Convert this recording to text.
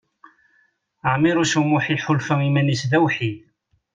Ɛmiṛuc U Muḥ iḥulfa iman-is d awḥid.